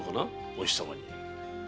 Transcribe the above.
お日様に。